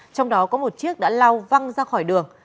trong đó có một chiếc đã lao văng ra khỏi đường